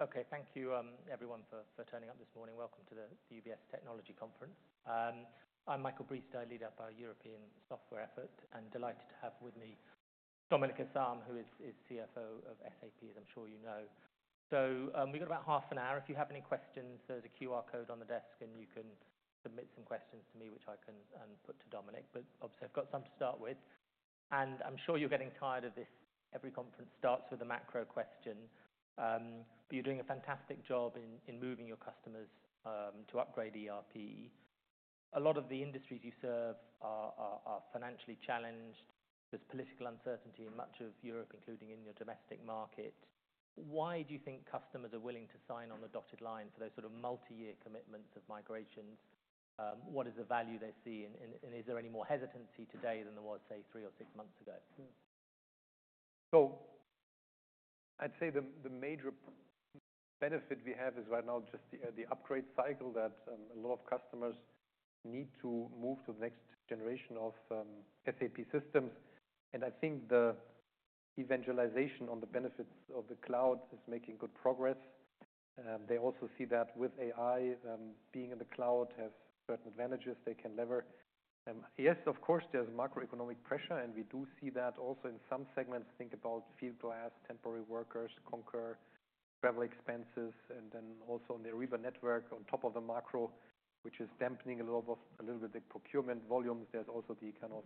Okay, thank you, everyone for turning up this morning. Welcome to the UBS Technology Conference. I'm Michael Briest, Head of our European Software Effort, and delighted to have with me Dominik Asam, who is CFO of SAP, as I'm sure you know. So, we've got about half an hour. If you have any questions, there's a QR code on the desk, and you can submit some questions to me, which I can put to Dominik. But obviously, I've got some to start with, and I'm sure you're getting tired of this: every conference starts with a macro question. But you're doing a fantastic job in moving your customers to upgrade ERP. A lot of the industries you serve are financially challenged. There's political uncertainty in much of Europe, including in your domestic market. Why do you think customers are willing to sign on the dotted line for those sort of multi-year commitments of migrations? What is the value they see in, and is there any more hesitancy today than there was, say, three or six months ago? So I'd say the major benefit we have is right now just the upgrade cycle that a lot of customers need to move to the next generation of SAP systems. And I think the evangelization on the benefits of the cloud is making good progress. They also see that with AI, being in the cloud has certain advantages they can leverage. Yes, of course, there's macroeconomic pressure, and we do see that also in some segments. Think about Fieldglass, temporary workers, Concur, travel expenses, and then also on the Ariba Network, on top of the macro, which is dampening a little bit the procurement volumes. There's also the kind of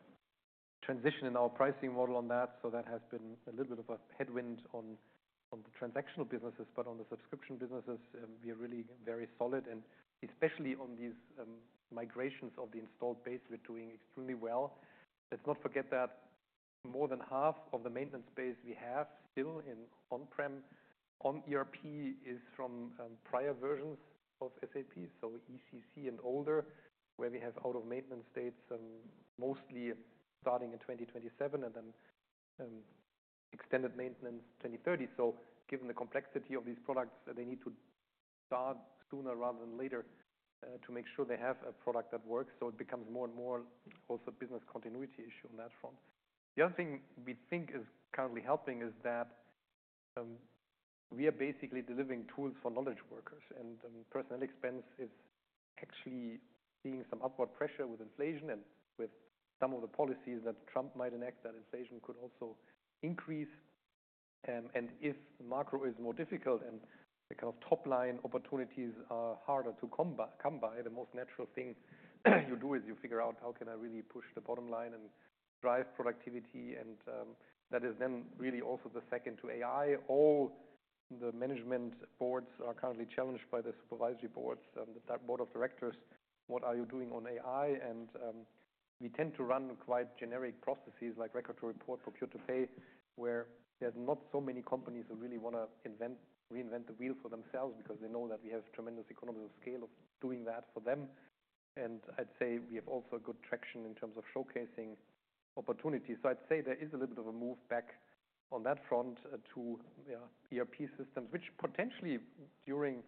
transition in our pricing model on that. So that has been a little bit of a headwind on the transactional businesses, but on the subscription businesses, we are really very solid. And especially on these migrations of the installed base, we're doing extremely well. Let's not forget that more than half of the maintenance base we have still in on-premise on ERP is from prior versions of SAP, so ECC and older, where we have out-of-maintenance states, mostly starting in 2027 and then extended maintenance 2030. So given the complexity of these products, they need to start sooner rather than later, to make sure they have a product that works. So it becomes more and more also a business continuity issue on that front. The other thing we think is currently helping is that we are basically delivering tools for knowledge workers, and personal expense is actually seeing some upward pressure with inflation and with some of the policies that Trump might enact that inflation could also increase. And if the macro is more difficult and the kind of top-line opportunities are harder to come by, the most natural thing you do is you figure out how can I really push the bottom line and drive productivity. And that is then really also the second to AI. All the management boards are currently challenged by the supervisory boards, the board of directors. What are you doing on AI? And we tend to run quite generic processes like record to report, procure to pay, where there's not so many companies who really wanna invent, reinvent the wheel for themselves because they know that we have tremendous economies of scale of doing that for them. And I'd say we have also a good traction in terms of showcasing opportunities. So I'd say there is a little bit of a move back on that front to, yeah, ERP systems, which potentially during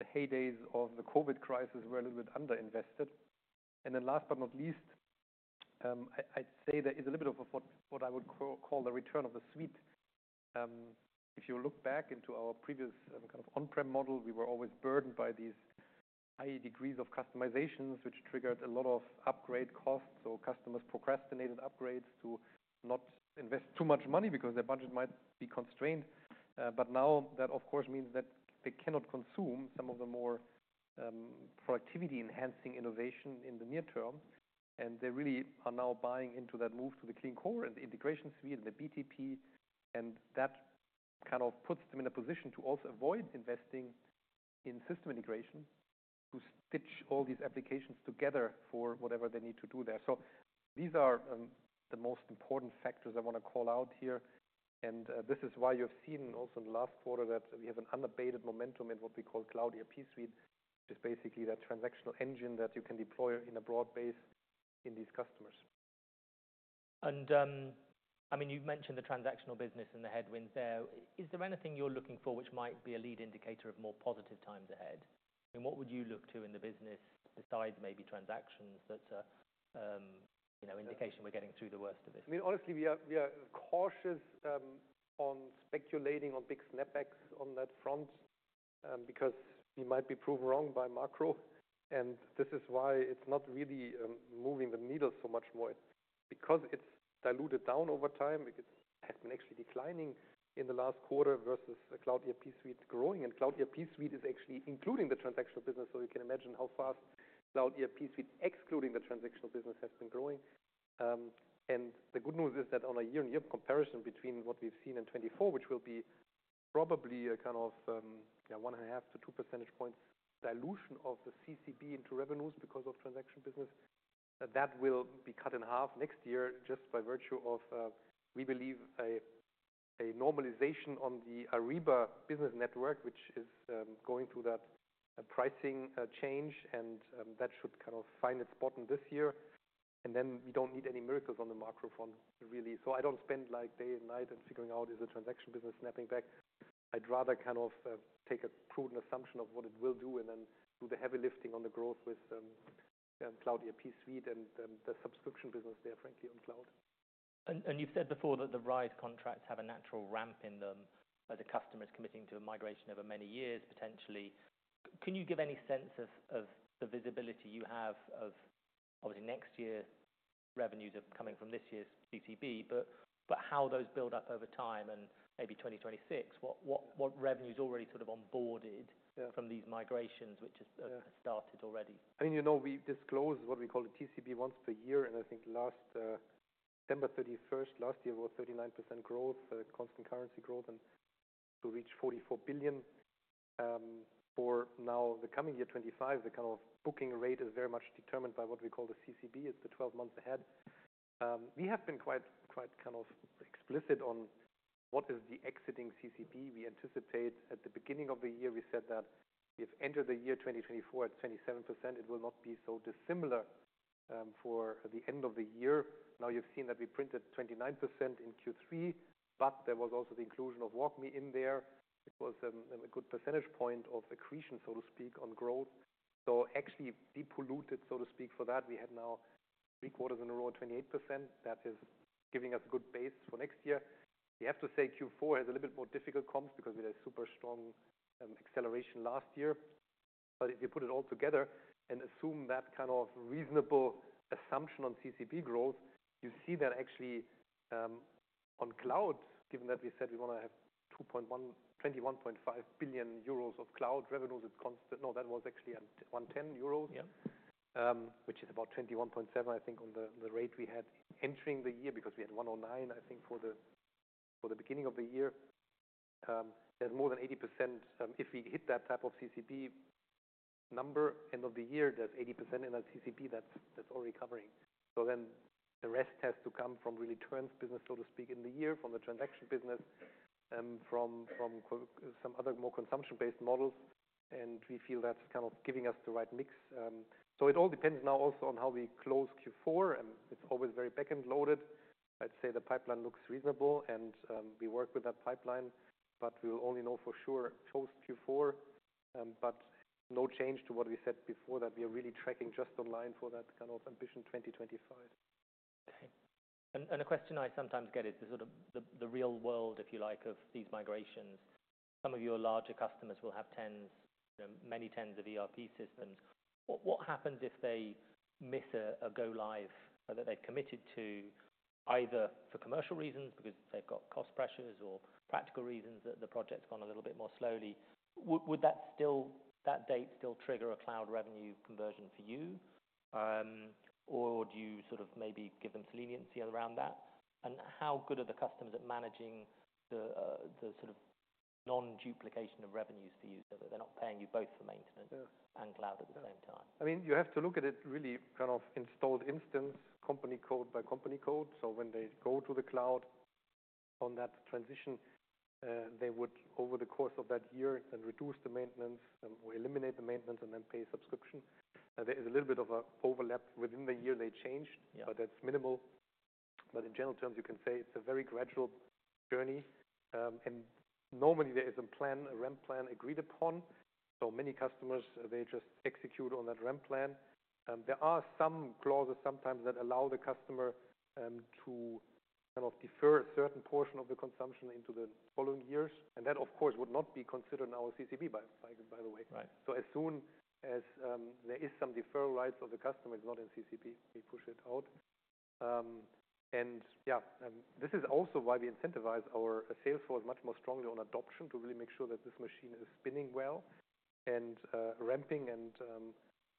the heydays of the COVID crisis were a little bit under-invested. And then last but not least, I'd say there is a little bit of a what I would call the return of the suite. If you look back into our previous, kind of on-prem model, we were always burdened by these high degrees of customizations, which triggered a lot of upgrade costs. Customers procrastinated upgrades to not invest too much money because their budget might be constrained, but now that, of course, means that they cannot consume some of the more productivity-enhancing innovation in the near term. And they really are now buying into that move to the Clean Core and the Integration Suite and the BTP. That kind of puts them in a position to also avoid investing in system integration to stitch all these applications together for whatever they need to do there. So these are the most important factors I wanna call out here. This is why you have seen also in the last quarter that we have an unabated momentum in what we call Cloud ERP Suite, which is basically that transactional engine that you can deploy in a broad base in these customers. I mean, you've mentioned the transactional business and the headwinds there. Is there anything you're looking for which might be a lead indicator of more positive times ahead? I mean, what would you look to in the business besides maybe transactions that, you know, indication we're getting through the worst of this? I mean, honestly, we are cautious on speculating on big snap-backs on that front, because we might be proven wrong by macro. And this is why it's not really moving the needle so much more. It's because it's diluted down over time. It has been actually declining in the last quarter versus a Cloud ERP Suite growing. And Cloud ERP Suite is actually including the transactional business. So you can imagine how fast Cloud ERP Suite excluding the transactional business has been growing. And the good news is that on a year-on-year comparison between what we've seen in 2024, which will be probably a kind of, yeah, 1.5-2 percentage points, dilution of the CCB into revenues because of transactional business, that will be cut in half next year just by virtue of, we believe a normalization on the Ariba business network, which is going through that pricing change. And that should kind of find its spot in this year. And then we don't need any miracles on the macro front, really. So I don't spend like day and night figuring out is the transactional business snapping back. I'd rather kind of take a prudent assumption of what it will do and then do the heavy lifting on the growth with Cloud ERP Suite and the subscription business there, frankly, on cloud. You've said before that the RISE contracts have a natural ramp in them as a customer is committing to a migration over many years, potentially. Can you give any sense of the visibility you have of, obviously, next year's revenues are coming from this year's CCB, but how those build up over time and maybe 2026? What revenues already sort of on-boarded. Yeah. From these migrations, which is, Yeah. Have started already? I mean, you know, we disclose what we call the TCB once per year. And I think last September 31st last year was 39% growth, constant currency growth, and to reach 44 billion. For now, the coming year 2025, the kind of booking rate is very much determined by what we call the CCB. It's the 12 months ahead. We have been quite, quite kind of explicit on what is the existing CCB we anticipate at the beginning of the year. We said that we have entered the year 2024 at 27%. It will not be so dissimilar for the end of the year. Now you've seen that we printed 29% in Q3, but there was also the inclusion of WalkMe in there. It was a good percentage point of accretion, so to speak, on growth. So actually de-accelerated, so to speak, for that, we had now three quarters in a row at 28%. That is giving us a good base for next year. We have to say Q4 has a little bit more difficult comps because we had a super strong acceleration last year. But if you put it all together and assume that kind of reasonable assumption on CCB growth, you see that actually, on cloud, given that we said we wanna have 21-21.5 billion euros of cloud revenues, it's constant. No, that was actually 11%. Yeah. which is about 21.7, I think, on the rate we had entering the year because we had 109, I think, for the beginning of the year. There's more than 80%, if we hit that type of CCB number end of the year, there's 80%, in that CCB that's already covering. So then the rest has to come from really turns, business, so to speak, in the year from the transactional business, from some other more consumption-based models. And we feel that's kind of giving us the right mix. So it all depends now also on how we close Q4. It's always very back-end loaded. I'd say the pipeline looks reasonable, and we work with that pipeline, but we'll only know for sure post Q4. But no change to what we said before that we are really tracking just online for that kind of Ambition 2025. Okay. And a question I sometimes get is the sort of real world, if you like, of these migrations. Some of your larger customers will have tens, you know, many tens of ERP systems. What happens if they miss a go-live that they've committed to either for commercial reasons because they've got cost pressures or practical reasons that the project's gone a little bit more slowly? Would that still, that date still trigger a cloud revenue conversion for you, or do you sort of maybe give them leniency around that? And how good are the customers at managing the sort of non-duplication of revenues for you so that they're not paying you both for maintenance? Yeah. Cloud at the same time? I mean, you have to look at it really kind of installed base, company code by company code. So when they go to the cloud on that transition, they would, over the course of that year, then reduce the maintenance, or eliminate the maintenance and then pay subscription. There is a little bit of an overlap within the year. They changed. Yeah. But that's minimal. But in general terms, you can say it's a very gradual journey. And normally there is a plan, a ramp plan agreed upon. So many customers, they just execute on that ramp plan. There are some clauses sometimes that allow the customer to kind of defer a certain portion of the consumption into the following years. And that, of course, would not be considered in our CCB, by the way. Right. So as soon as there is some deferral rights of the customer, it's not in CCB. We push it out, and yeah, this is also why we incentivize our sales force much more strongly on adoption to really make sure that this machine is spinning well and ramping.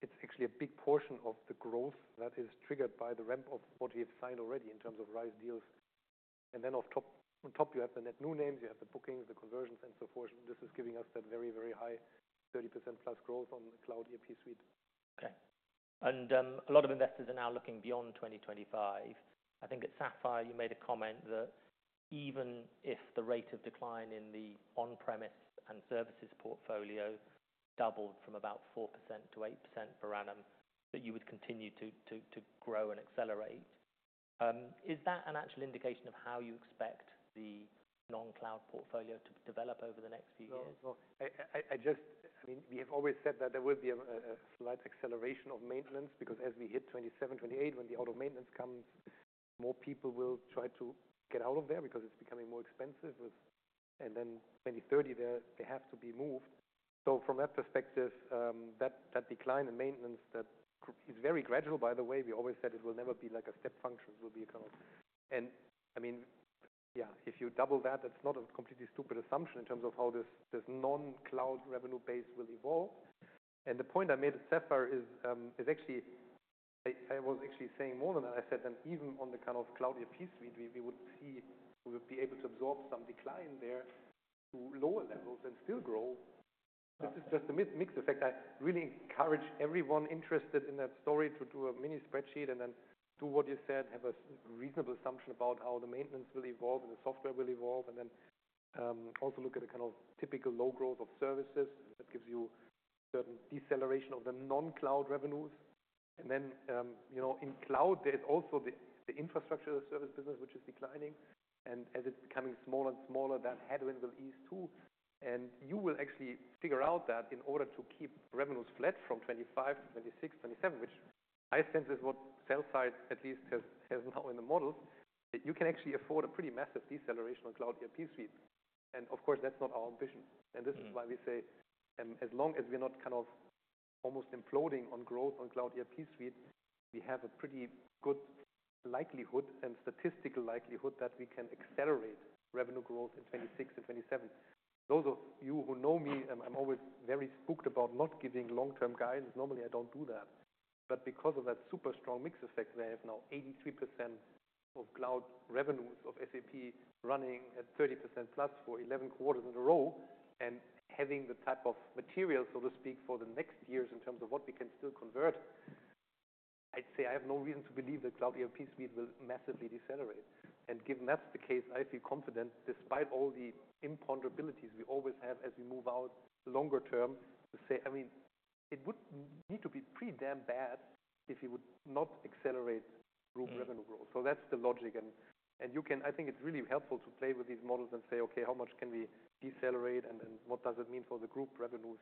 It's actually a big portion of the growth that is triggered by the ramp of what we have signed already in terms of RISE deals, and then off top, on top, you have the net new names, you have the bookings, the conversions, and so forth. This is giving us that very, very high 30% plus growth on the Cloud ERP Suite. Okay. And, a lot of investors are now looking beyond 2025. I think at Sapphire, you made a comment that even if the rate of decline in the on-premise and services portfolio doubled from about 4% to 8% per annum, that you would continue to grow and accelerate. Is that an actual indication of how you expect the non-cloud portfolio to develop over the next few years? I just, I mean, we have always said that there will be a slight acceleration of maintenance because as we hit 2027, 2028, when the auto maintenance comes, more people will try to get out of there because it's becoming more expensive with, and then 2030, they have to be moved. So from that perspective, that decline in maintenance that is very gradual, by the way, we always said it will never be like a step function. It will be a kind of, and I mean, yeah, if you double that, that's not a completely stupid assumption in terms of how this non-cloud revenue base will evolve. And the point I made at Sapphire is actually. I was actually saying more than that. I said that even on the kind of Cloud ERP Suite, we would see, we would be able to absorb some decline there to lower levels and still grow. This is just a mixed effect. I really encourage everyone interested in that story to do a mini spreadsheet and then do what you said, have a reasonable assumption about how the maintenance will evolve and the software will evolve. And then, also look at a kind of typical low growth of services that gives you certain deceleration of the non-cloud revenues. And then, you know, in cloud, there's also the infrastructure service business, which is declining. And as it's becoming smaller and smaller, that headwind will ease too. And you will actually figure out that in order to keep revenues flat from 2025 to 2026, 2027, which I sense is what sell side at least has, has now in the models, that you can actually afford a pretty massive deceleration on Cloud ERP Suite. And of course, that's not our ambition. And this is why we say, as long as we're not kind of almost imploding on growth on Cloud ERP Suite, we have a pretty good likelihood and statistical likelihood that we can accelerate revenue growth in 2026 and 2027. Those of you who know me, I'm always very spooked about not giving long-term guidance. Normally, I don't do that. But because of that super strong mix effect, we have now 83% of cloud revenues of SAP running at 30% plus for 11 quarters in a row. And having the type of materials, so to speak, for the next years in terms of what we can still convert, I'd say I have no reason to believe that Cloud ERP Suite will massively decelerate. And given that's the case, I feel confident despite all the imponderabilities we always have as we move out longer term, to say, I mean, it would need to be pretty damn bad if you would not accelerate group revenue growth. So that's the logic. And you can, I think it's really helpful to play with these models and say, okay, how much can we decelerate and what does it mean for the group revenues?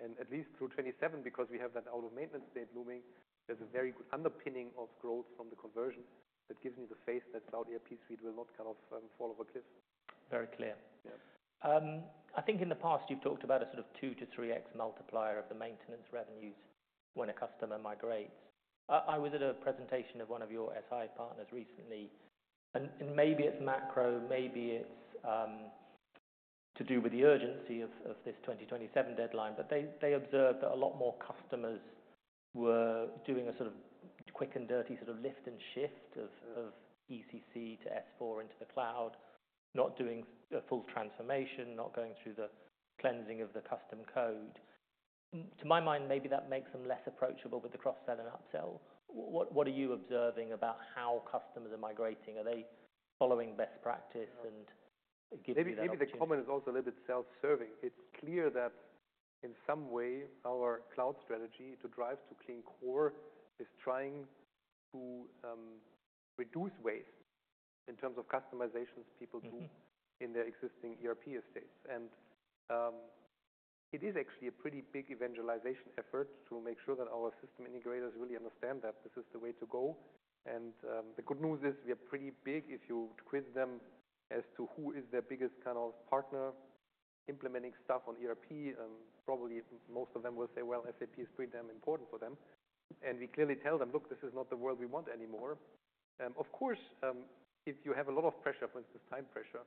At least through 2027, because we have that ECC maintenance date looming, there's a very good underpinning of growth from the conversion that gives me the faith that Cloud ERP Suite will not kind of fall over a cliff. Very clear. Yeah. I think in the past you've talked about a sort of two to three X multiplier of the maintenance revenues when a customer migrates. I was at a presentation of one of your SI partners recently. Maybe it's macro, maybe it's to do with the urgency of this 2027 deadline. They observed that a lot more customers were doing a sort of quick and dirty sort of lift and shift of ECC to S/4 into the cloud, not doing a full transformation, not going through the cleansing of the custom code. To my mind, maybe that makes them less approachable with the cross-sell and upsell. What are you observing about how customers are migrating? Are they following best practice and giving them? Maybe, maybe the comment is also a little bit self-serving. It's clear that in some way, our cloud strategy to drive to Clean Core is trying to reduce waste in terms of customizations people do in their existing ERP estates. And it is actually a pretty big evangelization effort to make sure that our system integrators really understand that this is the way to go. And the good news is we are pretty big if you quiz them as to who is their biggest kind of partner implementing stuff on ERP. Probably most of them will say, well, SAP is pretty damn important for them. And we clearly tell them, look, this is not the world we want anymore. Of course, if you have a lot of pressure, for instance, time pressure,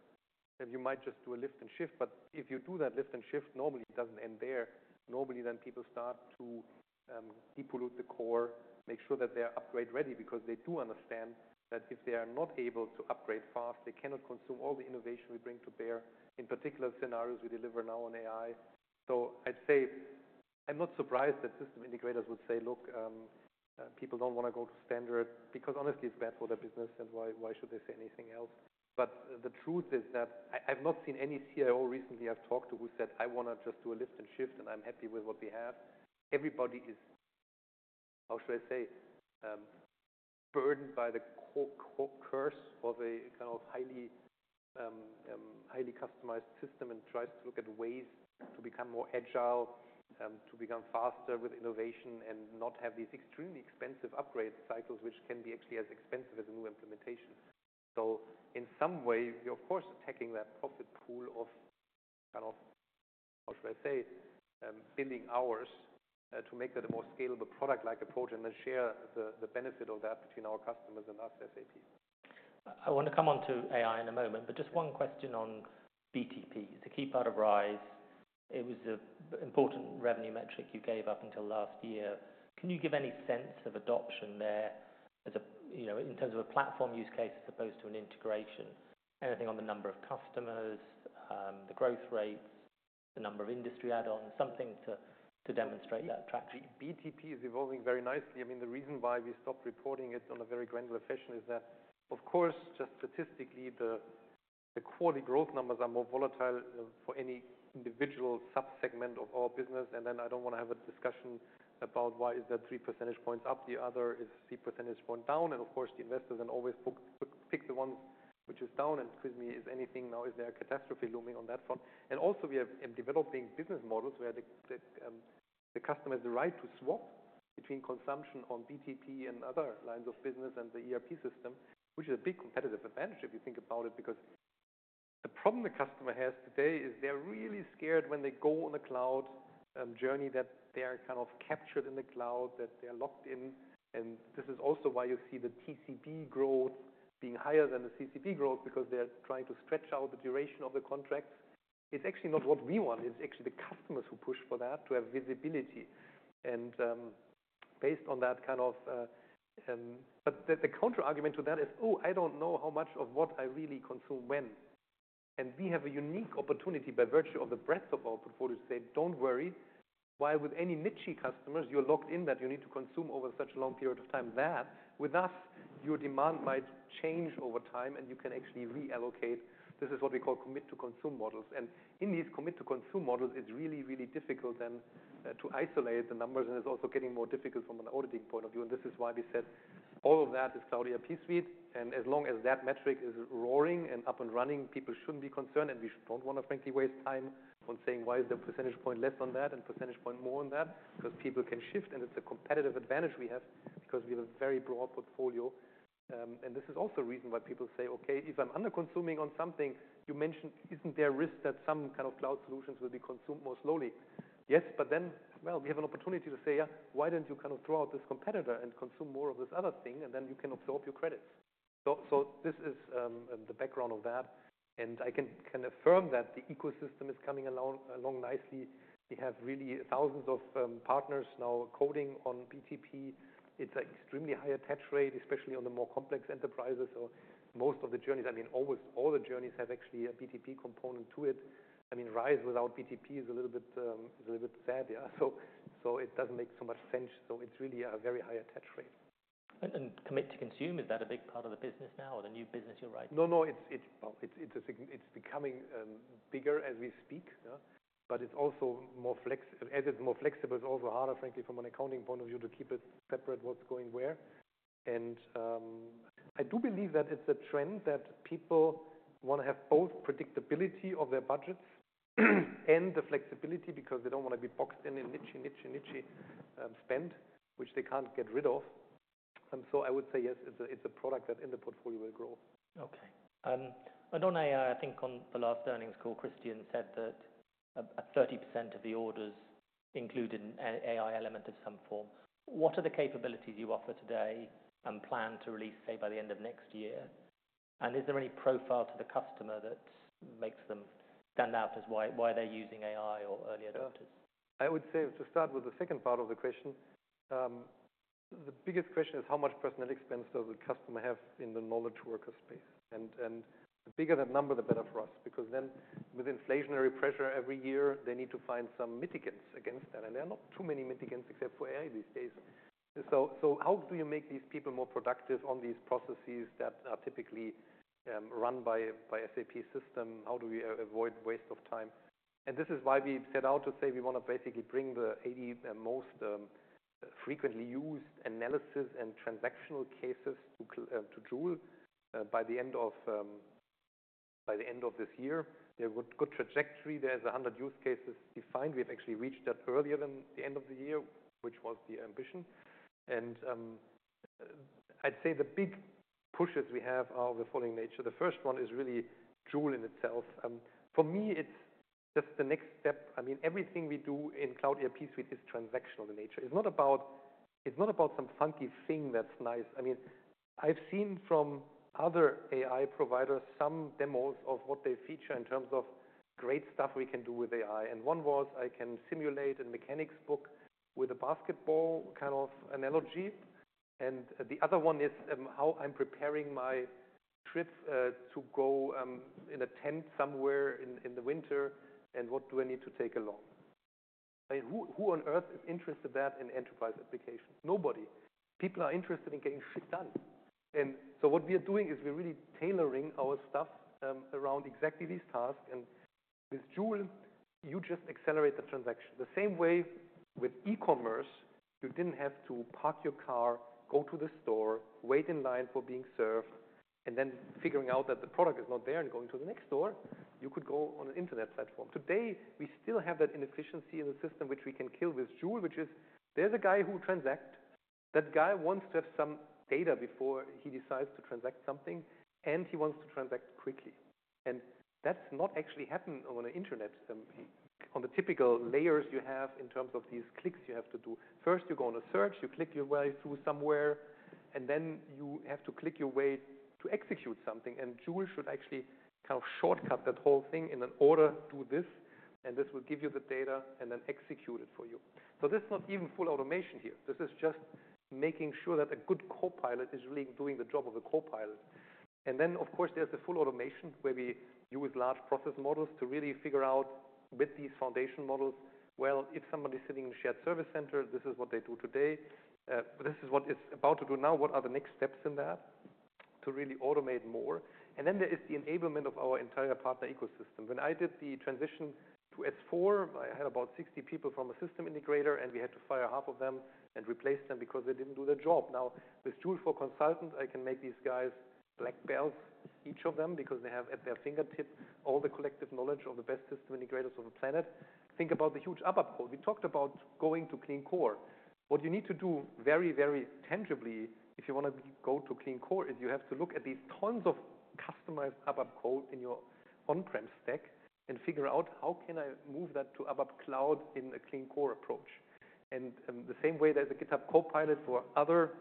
then you might just do a lift and shift. But if you do that lift and shift, normally it doesn't end there. Normally then people start to depollute the core, make sure that they're upgrade ready because they do understand that if they are not able to upgrade fast, they cannot consume all the innovation we bring to bear in particular scenarios we deliver now on AI. So I'd say I'm not surprised that system integrators would say, look, people don't wanna go to standard because honestly, it's bad for their business and why, why should they say anything else? But the truth is that I've not seen any CIO recently I've talked to who said, I wanna just do a lift and shift and I'm happy with what we have. Everybody is, how should I say, burdened by the curse of a kind of highly, highly customized system and tries to look at ways to become more agile, to become faster with innovation and not have these extremely expensive upgrade cycles, which can be actually as expensive as a new implementation. So in some way, we're of course attacking that profit pool of kind of, how should I say, billing hours, to make that a more scalable product-like approach and then share the benefit of that between our customers and us SAP. I wanna come on to AI in a moment, but just one question on BTP. To keep out of RISE, it was an important revenue metric you gave up until last year. Can you give any sense of adoption there as, you know, in terms of a platform use case as opposed to an integration? Anything on the number of customers, the growth rates, the number of industry add-ons, something to demonstrate that traction? BTP is evolving very nicely. I mean, the reason why we stopped reporting it on a very granular fashion is that, of course, just statistically, the quarterly growth numbers are more volatile, for any individual sub-segment of our business. And then I don't wanna have a discussion about why is that 3 percentage points up, the other is 3 percentage point down. And of course, the investors then always pick, pick, pick the ones which is down and quiz me is anything now, is there a catastrophe looming on that front? Also we have developing business models where the customer has the right to swap between consumption on BTP and other lines of business and the ERP system, which is a big competitive advantage if you think about it because the problem the customer has today is they're really scared when they go on the cloud journey that they're kind of captured in the cloud, that they're locked in. This is also why you see the TCB growth being higher than the CCB growth because they're trying to stretch out the duration of the contracts. It's actually not what we want. It's actually the customers who push for that to have visibility. Based on that kind of, but the counter argument to that is, oh, I don't know how much of what I really consume when. And we have a unique opportunity by virtue of the breadth of our portfolio to say, don't worry, while with any niche customers, you're locked in that you need to consume over such a long period of time, that with us, your demand might change over time and you can actually reallocate. This is what we call commit to consume models. And in these commit to consume models, it's really, really difficult then, to isolate the numbers. And it's also getting more difficult from an auditing point of view. And this is why we said all of that is Cloud ERP Suite. And as long as that metric is roaring and up and running, people shouldn't be concerned. And we don't wanna, frankly, waste time on saying why is the percentage point less on that and percentage point more on that because people can shift. It's a competitive advantage we have because we have a very broad portfolio. This is also a reason why people say, okay, if I'm underconsuming on something, you mentioned, isn't there risk that some kind of cloud solutions will be consumed more slowly? Yes. But then, well, we have an opportunity to say, yeah, why don't you kind of throw out this competitor and consume more of this other thing and then you can absorb your credits? So this is the background of that. I can kind of affirm that the ecosystem is coming along nicely. We have really thousands of partners now coding on BTP. It's an extremely high attach rate, especially on the more complex enterprises. So most of the journeys, I mean, almost all the journeys have actually a BTP component to it. I mean, RISE without BTP is a little bit sad, yeah. So, it doesn't make so much sense. So it's really a very high attach rate. Commit to consume, is that a big part of the business now or the new business you're writing? No. It's significant, it's becoming bigger as we speak, yeah. But it's also more flexible, it's also harder, frankly, from an accounting point of view to keep it separate what's going where. And I do believe that it's a trend that people wanna have both predictability of their budgets and the flexibility because they don't wanna be boxed in in niche spend, which they can't get rid of. So I would say yes, it's a product that in the portfolio will grow. Okay. I don't know, I think on the last earnings call, Christian said that 30%, of the orders include an AI element of some form. What are the capabilities you offer today and plan to release, say, by the end of next year? And is there any profile to the customer that makes them stand out as why they're using AI or early adopters? I would say to start with the second part of the question, the biggest question is how much personal expense does the customer have in the knowledge worker space? And the bigger that number, the better for us because then with inflationary pressure every year, they need to find some mitigants against that. And there are not too many mitigants except for AI these days. So how do you make these people more productive on these processes that are typically run by SAP systems? How do we avoid waste of time? And this is why we set out to say we wanna basically bring the 80 most frequently used analysis and transactional cases to cloud, to Joule, by the end of this year. There's a good trajectory. There's 100 use cases defined. We have actually reached that earlier than the end of the year, which was the ambition, and I'd say the big pushes we have are of the following nature. The first one is really Joule in itself. For me, it's just the next step. I mean, everything we do in Cloud ERP Suite is transactional in nature. It's not about, it's not about some funky thing that's nice. I mean, I've seen from other AI providers some demos of what they feature in terms of great stuff we can do with AI, and one was I can simulate a mechanics book with a basketball kind of analogy, and the other one is, how I'm preparing my trip, to go, in a tent somewhere in, in the winter and what do I need to take along? I mean, who, who on earth is interested in that in enterprise applications? Nobody. People are interested in getting shit done. And so what we are doing is we're really tailoring our stuff around exactly these tasks. And with Joule, you just accelerate the transaction. The same way with e-commerce, you didn't have to park your car, go to the store, wait in line for being served, and then figuring out that the product is not there and going to the next store, you could go on an internet platform. Today, we still have that inefficiency in the system, which we can kill with Joule, which is there's a guy who transacts. That guy wants to have some data before he decides to transact something, and he wants to transact quickly. And that's not actually happening on the internet, on the typical layers you have in terms of these clicks you have to do. First, you go on a search, you click your way through somewhere, and then you have to click your way to execute something. And Joule should actually kind of shortcut that whole thing in an order, do this, and this will give you the data and then execute it for you. So this is not even full automation here. This is just making sure that a good copilot is really doing the job of a copilot. And then, of course, there's the full automation where we use large process models to really figure out with these foundation models, well, if somebody's sitting in a shared service center, this is what they do today. This is what it's about to do now. What are the next steps in that to really automate more? And then there is the enablement of our entire partner ecosystem. When I did the transition to S/4, I had about 60 people from a system integrator, and we had to fire half of them and replace them because they didn't do their job. Now, with Joule for Consultant, I can make these guys black belts, each of them, because they have at their fingertips all the collective knowledge of the best system integrators on the planet. Think about the huge ABAP code. We talked about going to Clean Core. What you need to do very, very tangibly, if you wanna go to Clean Core, is you have to look at these tons of customized ABAP code in your on-prem stack and figure out how can I move that to ABAP Cloud in a Clean Core approach. The same way there's a GitHub Copilot for other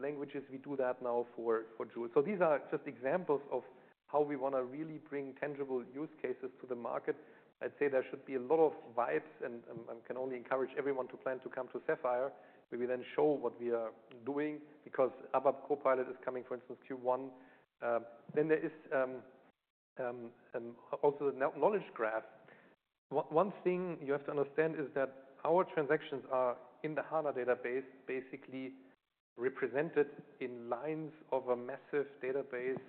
languages, we do that now for Joule. So these are just examples of how we wanna really bring tangible use cases to the market. I'd say there should be a lot of vibes, and I can only encourage everyone to plan to come to Sapphire. We will then show what we are doing because ABAP Copilot is coming, for instance, Q1. Then there is also the knowledge graph. One thing you have to understand is that our transactions are in the HANA database, basically represented in lines of a massive database,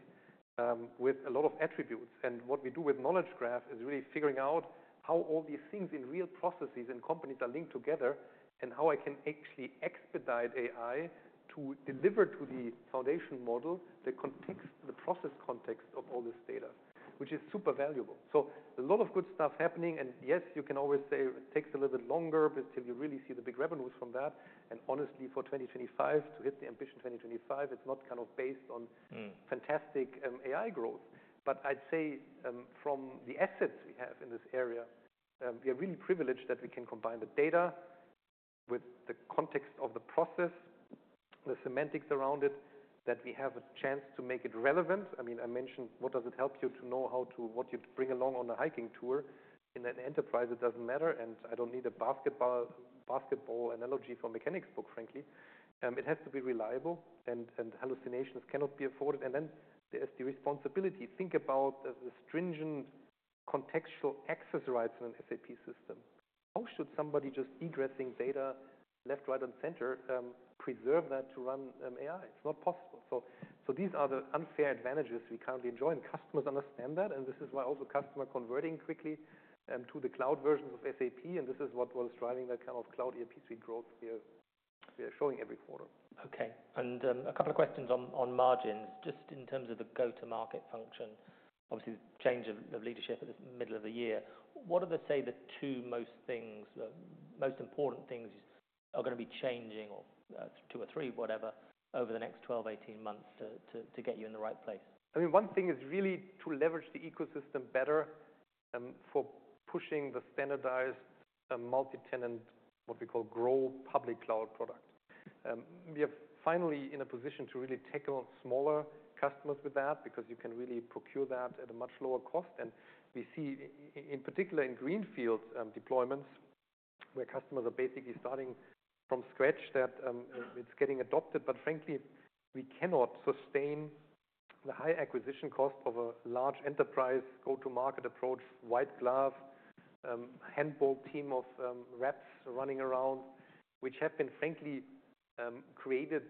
with a lot of attributes. And what we do with knowledge graph is really figuring out how all these things in real processes in companies are linked together and how I can actually expedite AI to deliver to the foundation model, the context, the process context of all this data, which is super valuable. So a lot of good stuff happening. Yes, you can always say it takes a little bit longer until you really see the big revenues from that. Honestly, for 2025, to hit the ambition 2025, it's not kind of based on fantastic AI growth. But I'd say, from the assets we have in this area, we are really privileged that we can combine the data with the context of the process, the semantics around it, that we have a chance to make it relevant. I mean, I mentioned what does it help you to know how to what you'd bring along on a hiking tour in an enterprise; it doesn't matter. I don't need a basketball analogy for mechanics book, frankly. It has to be reliable, and hallucinations cannot be afforded. Then there's the responsibility. Think about the stringent contextual access rights in an SAP system. How should somebody just egressing data left, right, and center preserve that to run AI? It's not possible. So these are the unfair advantages we currently enjoy. And customers understand that. And this is why also customers converting quickly to the cloud versions of SAP. And this is what was driving that kind of Cloud ERP Suite growth we are showing every quarter. Okay. And a couple of questions on margins, just in terms of the go-to-market function, obviously the change of leadership at this middle of the year. What are the, say, the two most important things that are gonna be changing or two or three, whatever, over the next 12, 18 months to get you in the right place? I mean, one thing is really to leverage the ecosystem better, for pushing the standardized, multi-tenant, what we call grow public cloud product. We are finally in a position to really tackle smaller customers with that because you can really procure that at a much lower cost, and we see, in particular, in greenfield deployments where customers are basically starting from scratch that it's getting adopted, but frankly, we cannot sustain the high acquisition cost of a large enterprise go-to-market approach, white glove, hand-holding team of reps running around, which have been, frankly, created,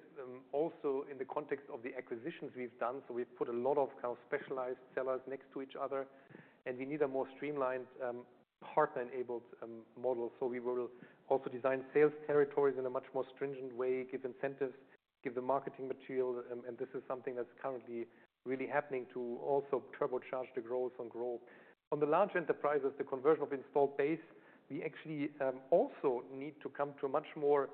also in the context of the acquisitions we've done. So we've put a lot of kind of specialized sellers next to each other, and we need a more streamlined, partner-enabled, model, so we will also design sales territories in a much more stringent way, give incentives, give the marketing material. And this is something that's currently really happening to also turbocharge the growth and GROW. On the large enterprises, the conversion of installed base, we actually also need to come to a much more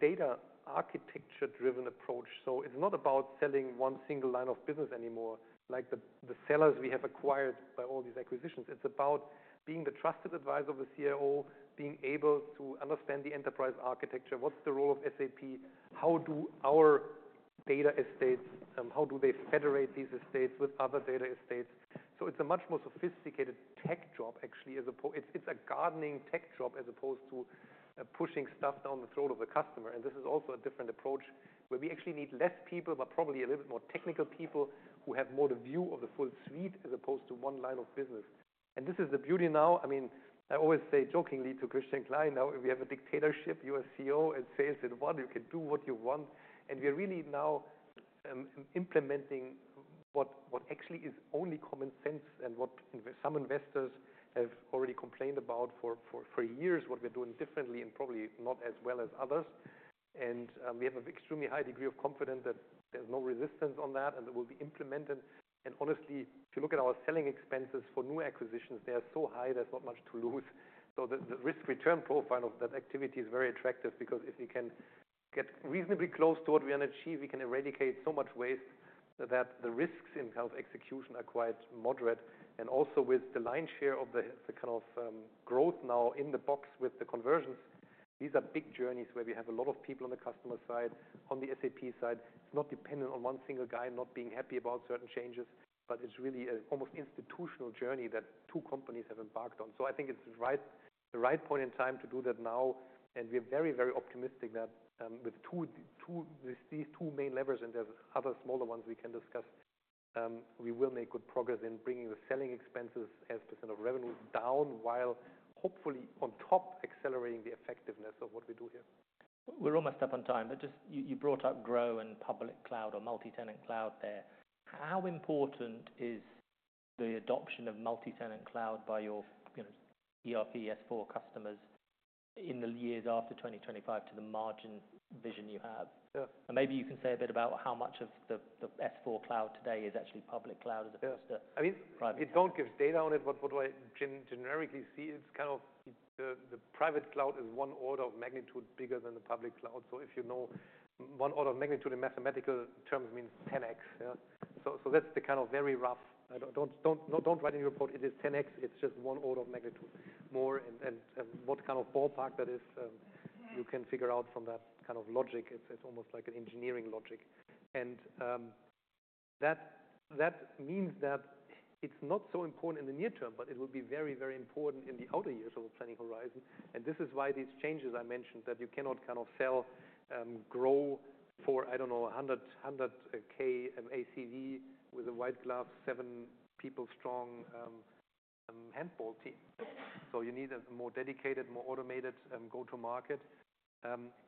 data architecture-driven approach. So it's not about selling one single line of business anymore, like the solutions we have acquired by all these acquisitions. It's about being the trusted advisor of the CIO, being able to understand the enterprise architecture. What's the role of SAP? How do our data estates, how do they federate these estates with other data estates? So it's a much more sophisticated tech job, actually, as opposed to it's a gardening tech job as opposed to pushing stuff down the throat of the customer. And this is also a different approach where we actually need less people, but probably a little bit more technical people who have more the view of the full suite as opposed to one line of business. And this is the beauty now. I mean, I always say jokingly to Christian Klein, now we have a dictatorship. You are CEO and sales at one. You can do what you want. And we are really now implementing what actually is only common sense and what some investors have already complained about for years, what we're doing differently and probably not as well as others. And we have an extremely high degree of confidence that there's no resistance on that and that will be implemented. And honestly, if you look at our selling expenses for new acquisitions, they are so high, there's not much to lose. So the risk-return profile of that activity is very attractive because if we can get reasonably close to what we are gonna achieve, we can eradicate so much waste that the risks in kind of execution are quite moderate. And also with the lion's share of the kind of growth now in the box with the conversions, these are big journeys where we have a lot of people on the customer side, on the SAP side. It's not dependent on one single guy not being happy about certain changes, but it's really an almost institutional journey that two companies have embarked on. So I think it's right, the right point in time to do that now. We are very, very optimistic that, with these two main levers and there's other smaller ones we can discuss, we will make good progress in bringing the selling expenses as % of revenues down while hopefully on top, accelerating the effectiveness of what we do here. We're almost up on time, but just you, you brought up GROW and public cloud or multi-tenant cloud there. How important is the adoption of multi-tenant cloud by your, you know, ERP S/4 customers in the years after 2025 to the margin vision you have? Yeah. Maybe you can say a bit about how much of the S/4 Cloud today is actually public cloud as opposed to private? Yeah. I mean, it don't give data on it, but what I generically see, it's kind of the private cloud is one order of magnitude bigger than the public cloud. So if you know one order of magnitude in mathematical terms means 10X, yeah? So that's the kind of very rough, don't write any report. It is 10X. It's just one order of magnitude more, and what kind of ballpark that is, you can figure out from that kind of logic. It's almost like an engineering logic, and that means that it's not so important in the near term, but it will be very, very important in the outer years of the planning horizon. And this is why these changes I mentioned that you cannot kind of sell GROW for, I don't know, 100, 100K ACV with a white glove, seven people strong handball team. So you need a more dedicated, more automated go-to-market.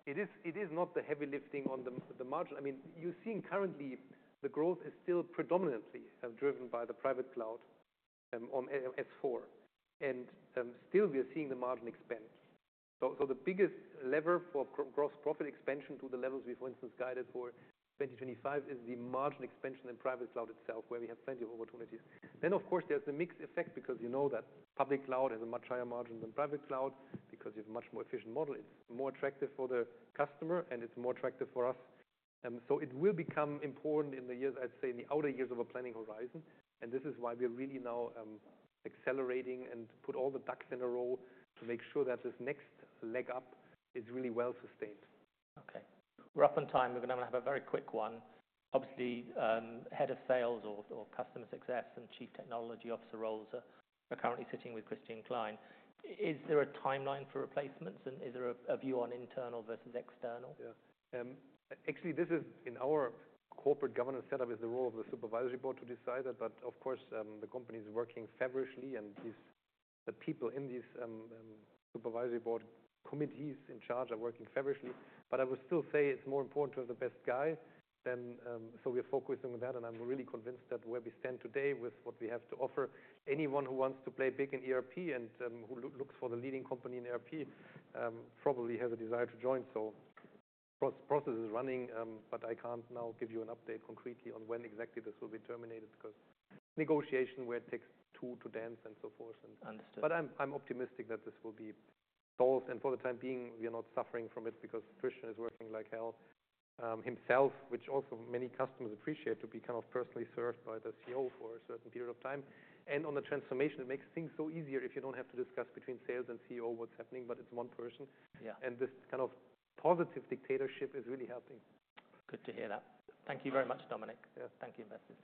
It is not the heavy lifting on the margin. I mean, you're seeing currently the growth is still predominantly driven by the private cloud on S/4. And still we are seeing the margin expand. So the biggest lever for gross profit expansion to the levels we, for instance, guided for 2025 is the margin expansion in private cloud itself, where we have plenty of opportunities. Then, of course, there's the mix effect because you know that public cloud has a much higher margin than private cloud because you have a much more efficient model. It's more attractive for the customer, and it's more attractive for us. So it will become important in the years. I'd say in the outer years of a planning horizon. And this is why we are really now, accelerating and put all the ducks in a row to make sure that this next leg up is really well sustained. Okay. We're up on time. We're gonna have a very quick one. Obviously, head of sales or customer success and chief technology officer roles are currently sitting with Christian Klein. Is there a timeline for replacements, and is there a view on internal versus external? Yeah. Actually, this is in our corporate governance setup, is the role of the supervisory board to decide that. But of course, the company's working feverishly, and these, the people in these, supervisory board committees in charge are working feverishly. But I would still say it's more important to have the best guy than, so we are focusing on that. And I'm really convinced that where we stand today with what we have to offer, anyone who wants to play big in ERP and, who looks for the leading company in ERP, probably has a desire to join. So process is running, but I can't now give you an update concretely on when exactly this will be terminated because negotiation where it takes two to dance and so forth. Understood. I'm optimistic that this will be solved. For the time being, we are not suffering from it because Christian is working like hell, himself, which also many customers appreciate to be kind of personally served by the CEO for a certain period of time. On the transformation, it makes things so easier if you don't have to discuss between sales and CEO what's happening, but it's one person. Yeah. This kind of positive dictatorship is really helping. Good to hear that. Thank you very much, Dominik. Yeah. Thank you, Ambassador.